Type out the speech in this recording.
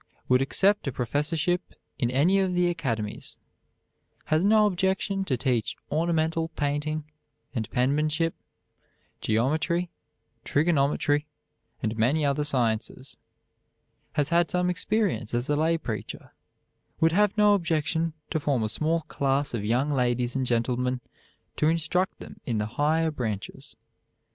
Would accept a professorship in any of the academies. Has no objection to teach ornamental painting and penmanship, geometry, trigonometry, and many other sciences. Has had some experience as a lay preacher. Would have no objection to form a small class of young ladies and gentlemen to instruct them in the higher branches.